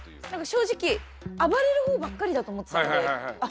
正直暴れるほうばっかりだと思ってたのであ